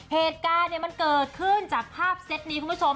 เหตุการณ์มันเกิดขึ้นจากภาพเซ็ตนี้คุณผู้ชม